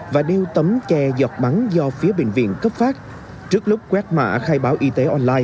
và đeo tấm che giọt bắn do phía bệnh viện cấp phát